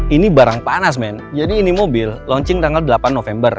ini barang panas men jadi ini mobil launching tanggal delapan november